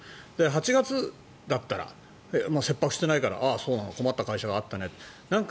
８月だったら切迫してないからああ、そうなの困った会社があったねと。